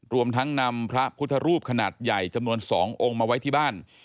รวมทั้งนำพระพุทธรูปขนาดใหญ่จำนวน๒องค์มาไว้ที่บ้าน